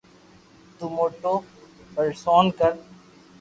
تو موتو ڀروسو ڪر